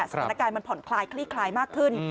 สถานการณ์มันผ่อนคลายคลี่คลายมากขึ้น